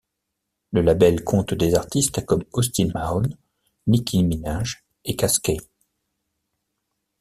Le label compte des artistes comme Austin Mahone, Nicki Minaj, et Caskey.